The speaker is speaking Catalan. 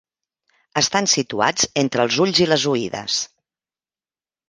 Estan situats estre els ulls i les oïdes.